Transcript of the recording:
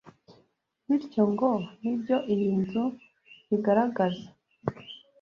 bityo ngo n’ibyo iyi nzu igaragaza